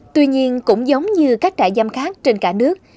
tuy nhiên cũng giống như các trại giam khác trên cả nước